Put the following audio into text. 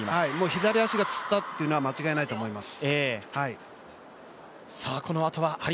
左足がつったというのは間違いないと思います。